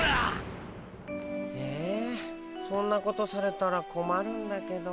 えそんなことされたらこまるんだけど。